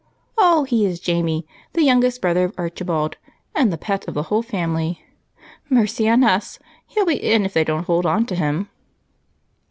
"Oh, he is Jamie, the youngest brother of Archibald, and the pet of the whole family. Mercy on us he'll be in if they don't hold on to him!"